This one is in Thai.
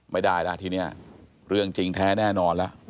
ไม่ได้แล้วทีนี้เรื่องจริงแท้แน่นอนแล้ว